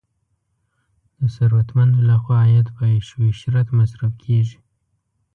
د ثروتمندو لخوا عاید په عیش او عشرت مصرف کیږي.